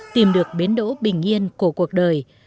tìm được biến đỗ bình yên của cuộc đời